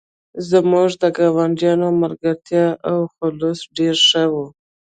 زموږ د ګاونډیانو ملګرتیا او خلوص ډیر ښه و